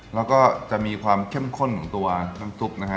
แล้วก็จะมีความเข้มข้นของตัวน้ำซุปนะฮะ